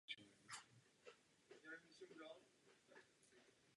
Marie Kristýna byla jediným dítětem z tohoto manželství.